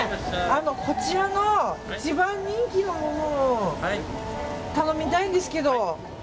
こちらの一番人気のものを頼みたいんですけど。